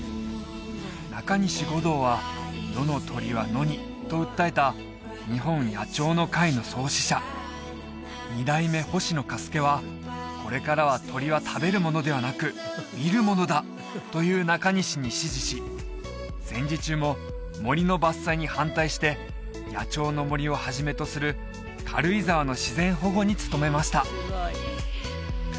中西悟堂は「野の鳥は野に」と訴えた日本野鳥の会の創始者二代目星野嘉助はこれからは鳥は食べるものではなく見るものだという中西に師事し戦時中も森の伐採に反対して野鳥の森をはじめとする軽井沢の自然保護に努めました